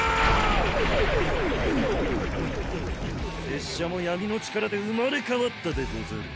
フフフ拙者も闇の力で生まれ変わったでござる。